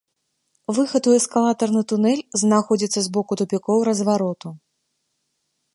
Выхад у эскалатарны тунэль знаходзіцца з боку тупікоў развароту.